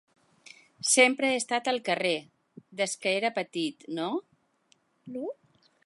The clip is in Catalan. Sempre he estat al carrer, des de que era petit, no?